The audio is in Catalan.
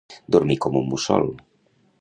Dormir com un mussol.